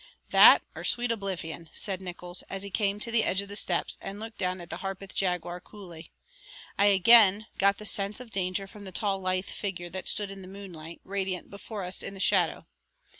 "That or sweet oblivion," said Nickols, as he came to the edge of the steps and looked down at the Harpeth Jaguar coolly. I again got the sense of danger from the tall, lithe figure that stood in the moonlight, radiant before us in the shadow.